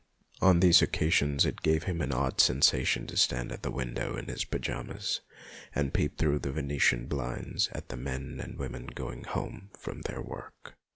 On these occasions it gave him an odd sensation to stand at the window in his pyjamas and peep through the Vene tian blinds at the men and women going home from their work.